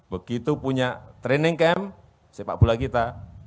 begitu punya training camp sepak bola kita